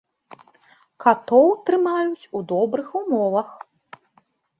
Катоў трымаюць у добрых умовах.